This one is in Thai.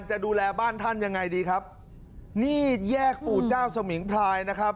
จะดูแลบ้านท่านยังไงดีครับนี่แยกปู่เจ้าสมิงพลายนะครับ